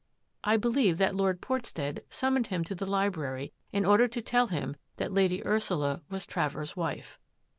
I believe that Lord Portstead summoned him to the library in order to tell him that Lady Ursula was Travers' wife."